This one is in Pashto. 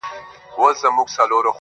ورځي د وريځي يارانه مــاتـه كـړه.